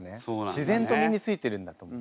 自然と身についてるんだと思う。